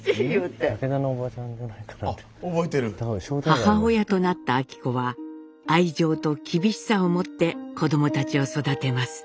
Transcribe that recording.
母親となった昭子は愛情と厳しさをもって子どもたちを育てます。